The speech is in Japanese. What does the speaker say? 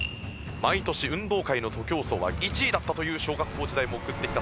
毎年運動会の徒競走は１位だったという小学校時代も送ってきた。